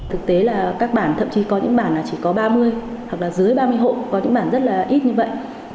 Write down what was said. thực tế là các bản thậm chí có những bản chỉ có ba mươi hoặc là dưới ba mươi hộ có những bản rất là ít như vậy